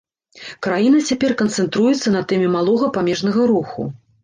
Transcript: Краіна цяпер канцэнтруецца на тэме малога памежнага руху.